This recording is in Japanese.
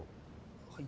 はい。